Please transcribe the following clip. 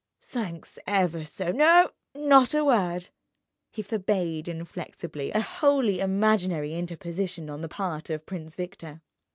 "Thanks ever so ... No, not a word!" He forbade inflexibly a wholly imaginary interposition on the part of Prince Victor.